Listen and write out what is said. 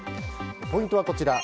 ポイントはこちら。